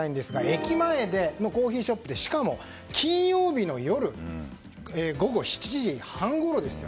駅前のコーヒーショップでしかも金曜日の夜午後７時半ごろですよ。